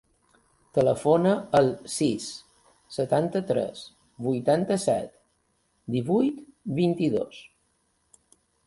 Telefona al sis, setanta-tres, vuitanta-set, divuit, vint-i-dos.